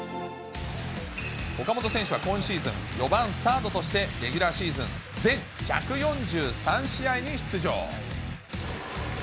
岡本選手は今シーズン、４番サードとして、レギュラーシーズン全１４３試合に出場。